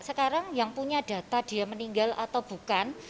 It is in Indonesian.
sekarang yang punya data dia meninggal atau bukan